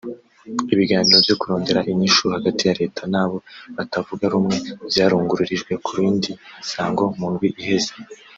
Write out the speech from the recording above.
Ibiganiro vyo kurondera inyishu hagati ya reta n’abo batavuga rumwe vyarungururijwe ku rindi sango mu ndwi iheze